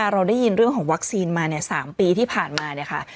เราได้ยินเรื่องของวัคซีนมา๓ปีที่ผ่านมาเนี่ยค่ะ